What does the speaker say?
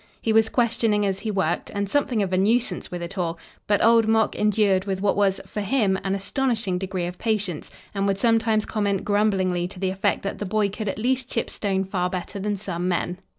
He was questioning as he worked and something of a nuisance with it all, but old Mok endured with what was, for him, an astonishing degree of patience, and would sometimes comment grumblingly to the effect that the boy could at least chip stone far better than some men.